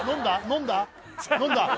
飲んだ？